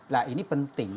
lah ini penting